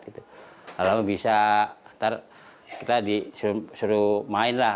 kalau bisa nanti kita disuruh main lah